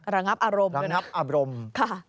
ระงับอารมณ์ด้วยนะครับค่ะระงับอารมณ์